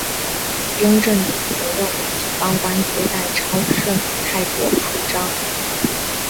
雍正帝则认为地方官接待超盛太过铺张。